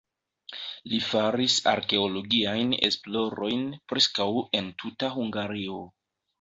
Li faris arkeologiajn esplorojn preskaŭ en tuta Hungario.